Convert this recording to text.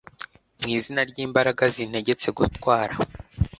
Mwizina ryimbaraga zintegetse gutwara